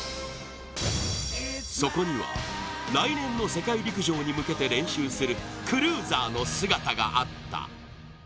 そこには、来年の世界陸上に向けて練習するクルーザーの姿があった。